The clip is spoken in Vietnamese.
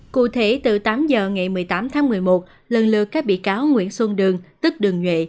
cụ thể từ tám giờ ngày một mươi tám tháng một mươi một lần lượt các bị cáo nguyễn xuân đường tức đường nhuệ